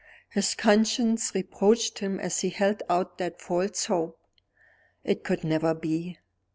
His conscience reproached him as he held out that false hope. It could never be!